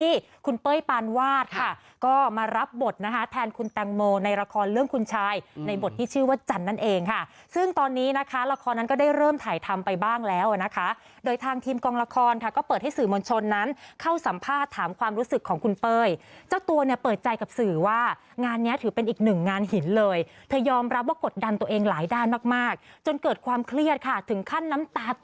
ที่คุณเป้ยปานวาดค่ะก็มารับบทนะฮะแทนคุณแตงโมในละครเรื่องคุณชายในบทที่ชื่อว่าจันนั่นเองค่ะซึ่งตอนนี้นะคะละครนั้นก็ได้เริ่มถ่ายทำไปบ้างแล้วนะคะโดยทางทีมกองละครค่ะก็เปิดให้สื่อมณชนนั้นเข้าสัมภาษณ์ถามความรู้สึกของคุณเป้ยเจ้าตัวเนี่ยเปิดใจกับสื่อว่างานนี้ถือเป็นอีกหนึ่งงานหินเลยเธอยอม